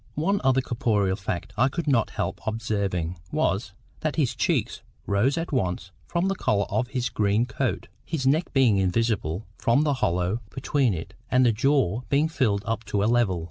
One other corporeal fact I could not help observing, was, that his cheeks rose at once from the collar of his green coat, his neck being invisible, from the hollow between it and the jaw being filled up to a level.